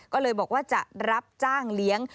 ก็เลยบอกว่าจะรับจ้างเลี้ยง